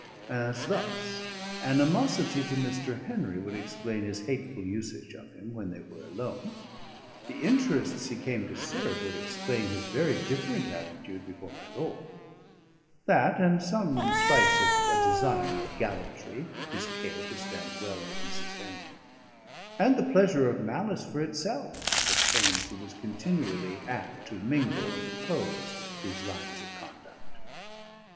As thus: Animosity to Mr. Henry would explain his hateful usage of him when they were alone; the interests he came to serve would explain his very different attitude before my lord; that and some spice of a design of gallantry, his care to stand well with Mrs. Henry; and the pleasure of malice for itself, the pains he was continually at to mingle and oppose these lines of conduct.